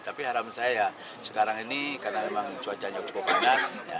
tapi harapan saya ya sekarang ini karena memang cuacanya cukup panas